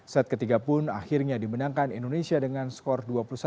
set ketiga pun akhirnya dimenangkan indonesia dengan skor dua puluh satu